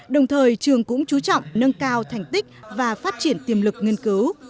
đồng thời trường cũng chú trọng nâng cao thành tích và phát triển tiềm lực nghiên cứu